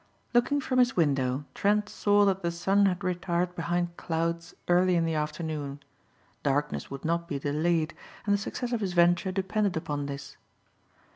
Looking from his window, Trent saw that the sun had retired behind clouds early in the afternoon. Darkness would not be delayed, and the success of his venture depended upon this.